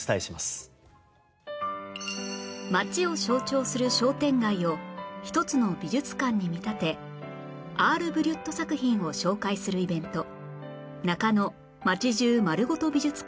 街を象徴する商店街を一つの美術館に見立てアール・ブリュット作品を紹介するイベント「ＮＡＫＡＮＯ 街中まるごと美術館！」